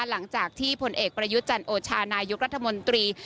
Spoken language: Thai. หลังจากที่ผลเอกประยุทธ์จันโอชานายกรัฐมนตรี